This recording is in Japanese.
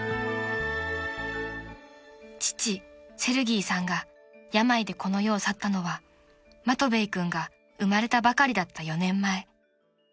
［父セルギーさんが病でこの世を去ったのはマトヴェイ君が生まれたばかりだった４年前］